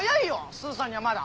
スーさんにはまだ。